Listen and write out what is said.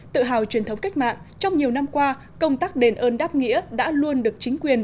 tự hào truyền thống cách mạng trong nhiều năm qua công tác đền ơn đáp nghĩa đã luôn được chính quyền